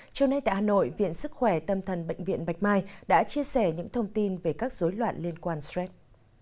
trưa nay tại hà nội viện sức khỏe tâm thần bệnh viện bạch mai đã chia sẻ những thông tin về các dối loạn liên quan stress